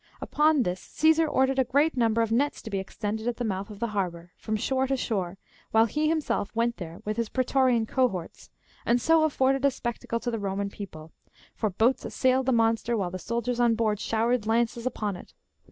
Upon this, Caesar ordered a great number of nets to be extended at the mouth of the harbour, from shore to shore, while he himself went there with the praetorian cohorts, and so afforded a spectacle to the Boman people ; for boats assailed the monster, while the sol diers on board showered lances upon it.